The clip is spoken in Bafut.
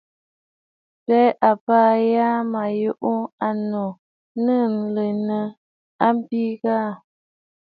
M̀bə a bə aa ma yû ànnù, nɨ̀ liꞌìnə̀ ɨ̀bɨ̂ ghâ.